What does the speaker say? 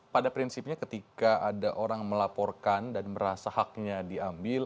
pada prinsipnya ketika ada orang melaporkan dan merasa haknya diambil